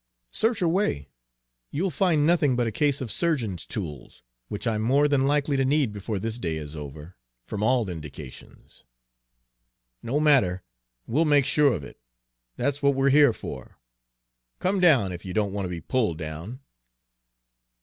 "Search away. You'll find nothing but a case of surgeon's tools, which I'm more than likely to need before this day is over, from all indications." "No matter; we'll make sure of it! That's what we're here for. Come down, if you don't want to be pulled down!"